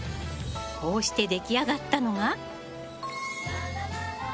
こうして出来上がったのが。